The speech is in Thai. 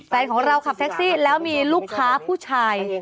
แฟนของเราขับแท็กซี่แล้วมีลูกค้าผู้ชาย